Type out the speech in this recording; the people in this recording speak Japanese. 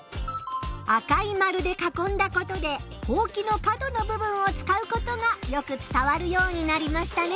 赤い丸でかこんだことでほうきの角の部分を使うことがよく伝わるようになりましたね。